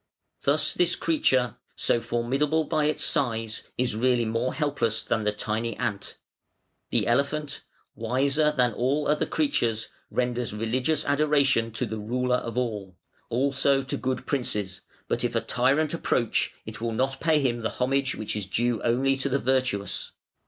Thus this creature, so formidable by its size, is really more helpless than the tiny ant. The elephant, wiser than all other creatures, renders religious adoration to the Ruler of all: also to good princes, but if a tyrant approach, it will not pay him the homage which is due only to the virtuous.